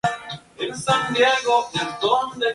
Mientras, Antíoco era derrotado por los egipcios.